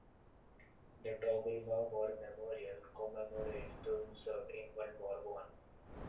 The Toogoolawah War Memorial commemorates those who served in World War One.